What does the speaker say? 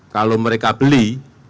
kalau mereka beli